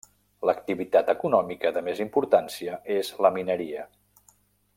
L'activitat econòmica de més importància és la mineria.